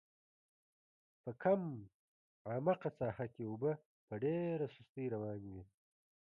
په کم عمقه ساحه کې اوبه په ډېره سستۍ روانې وې.